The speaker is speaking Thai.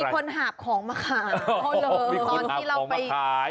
เกือบคนหาบของมาขาย